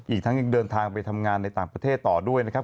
อีกทั้งยังเดินทางไปทำงานในต่างประเทศต่อด้วยนะครับ